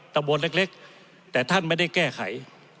ตะบนเล็กแต่ท่านไม่ได้แก้ไข